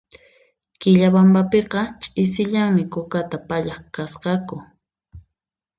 Quillabambapiqa ch'isillanmi kukata pallaq kasqaku